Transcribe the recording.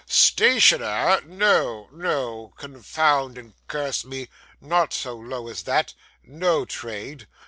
'Stationer! No, no; confound and curse me! Not so low as that. No trade.